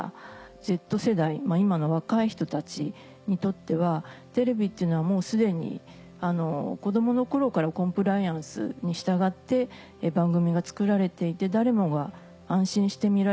Ｚ世代今の若い人たちにとってはテレビっていうのはもう既に子供の頃からコンプライアンスに従って番組が作られていて誰もが安心して見られる。